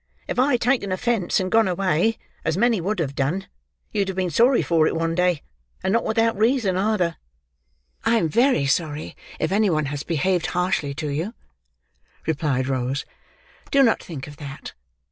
If I had taken offence, and gone away, as many would have done, you'd have been sorry for it one day, and not without reason either." "I am very sorry if any one has behaved harshly to you," replied Rose. "Do not think of that.